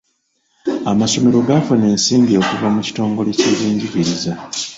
Amasomero gaafuna ensimbi okuva mu kitongole kyebyenjigiriza.